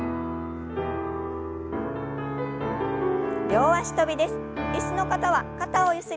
両脚跳びです。